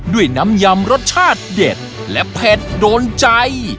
ด้วยน้ำยำรสชาติเด็ดและเผ็ดโดนใจ